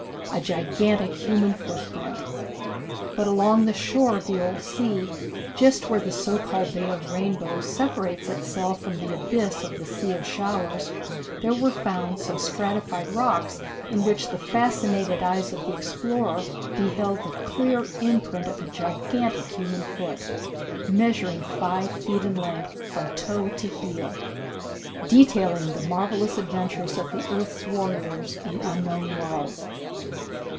A Gigantic Human Footprint. But along the shore of the old sea, just where the so called Bay of Rainbows separates itself from the abyss of the Sea of Showers, there were found some stratified rocks in which the fascinated eyes of the explorer beheld the clear imprint of a gigantic human foot, measuring five feet in length from toe to heel. Detailing the Marvellous Adventures of the Earth's Warriors in Unknown Worlds.